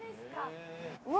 うわ！